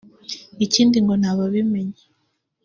Ikindi ngo n’ababimenye